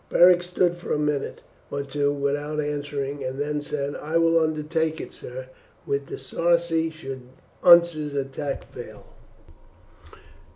Beric stood for a minute or two without answering, and then said, "I will undertake it, sir, with the Sarci should Unser's attack fail."